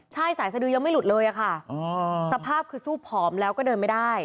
ใช่สายสดือยังไม่หลุดเลยอะค่ะสภาพคือสู้ผอมแล้วก็เดินไม่ได้